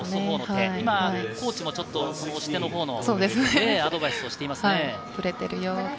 今コーチもちょっと、押し手のほうのアドバイスをしていますね。